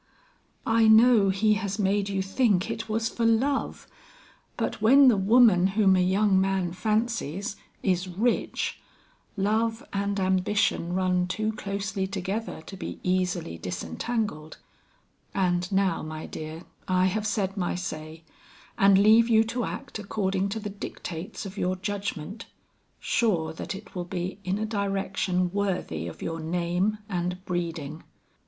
"I know he has made you think it was for love; but when the woman whom a young man fancies, is rich, love and ambition run too closely together to be easily disentangled. And now, my dear, I have said my say and leave you to act according to the dictates of your judgment, sure that it will be in a direction worthy of your name and breeding."